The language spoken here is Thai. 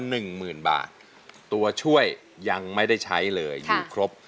หนึ่งหมื่นบาทตัวช่วยยังไม่ได้ใช้เลยอยู่ครบ